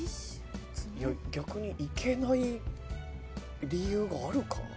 逆にいけない理由があるか？